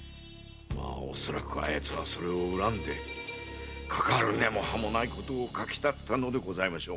恐らくあ奴はそれを恨んでかかる根も葉もないことを書き立てたのでございましょう。